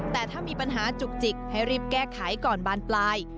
แต่ถ้ามีปัญหาจุกจิกให้รีบแก้ไขก่อนบานปลาย